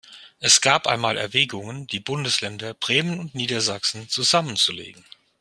Es gab mal Erwägungen, die Bundesländer Bremen und Niedersachsen zusammenzulegen.